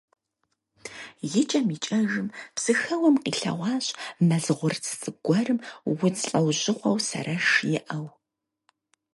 ИкӀэм икӀэжым, Псыхэуэм къилъэгъуащ мэз гъурц цӀыкӀу гуэрым удз лӀэужьыгъуэу сэрэш иӀэу.